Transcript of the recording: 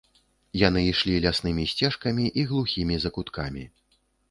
Яны ішлі ляснымі сцежкамі і глухімі закуткамі.